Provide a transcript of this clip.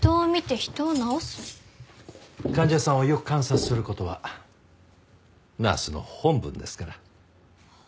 患者さんをよく観察する事はナースの本分ですから。